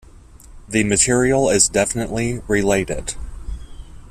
The material is definitely related.